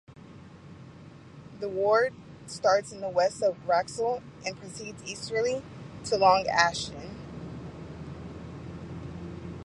The ward starts in the west at Wraxall and proceeds easterly to "Long Ashton".